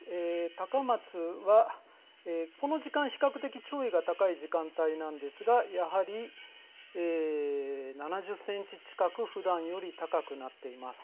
高松はこの時間、比較的潮位が高い時間帯なんですが、やはり７０センチ近くふだんより高くなっています。